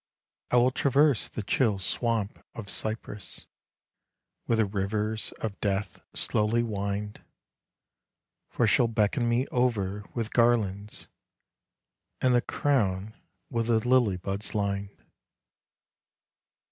I will traverse the chill "Swamp of Cypress" Where the "Rivers of Death" slowly wind; For she'll beckon me over with garlands, And the crown with the lily buds lined.